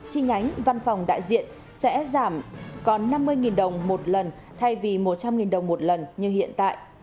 đăng ký hoạt động chi nhánh văn phòng đại diện sẽ giảm còn năm mươi đồng một lần thay vì một trăm linh đồng một lần như hiện tại